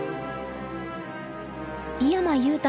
井山裕太